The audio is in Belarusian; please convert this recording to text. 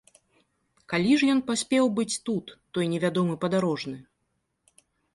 Калі ж ён паспеў быць тут, той невядомы падарожны?